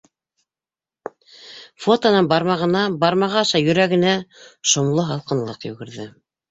Фотонан бармағына, бармағы аша йөрәгенә шомло һалҡынлыҡ йүгерҙе.